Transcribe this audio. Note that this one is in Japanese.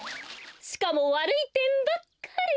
しかもわるいてんばっかり。